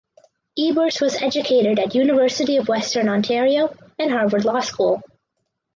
Eberts was educated at University of Western Ontario and Harvard Law School.